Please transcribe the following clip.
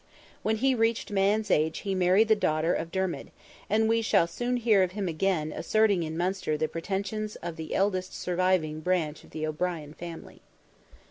When he reached man's age he married the daughter of Dermid, and we shall soon hear of him again asserting in Munster the pretensions of the eldest surviving branch of the O'Brien family.